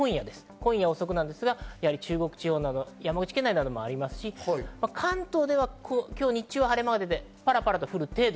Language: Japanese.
今夜遅くですが、中国地方など山口県内などもありますし、関東は今日、日中は晴れてパラパラ降る程度。